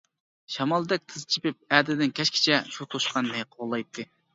شامالدەك تىز چېپىپ ئەتىدىن-كەچكىچە شۇ توشقاننى قوغلايتتى.